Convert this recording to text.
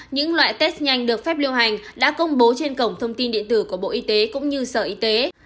những loại test nhanh được phép lưu hành đã công bố trên cổng thông tin điện tử của bộ y tế cũng như sở y tế